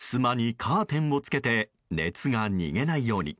ふすまにカーテンをつけて熱が逃げないように。